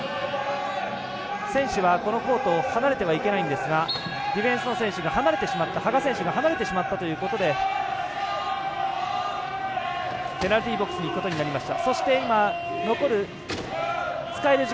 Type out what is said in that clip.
選手は、このコートから離れてはいけないんですがディフェンスの羽賀選手が離れてしまったということでペナルティーボックスに行くことになりました。